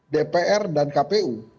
dpr dan kpu